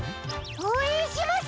おうえんします！